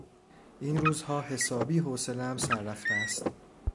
این روزها حسابی حوصلهام سر رفته است.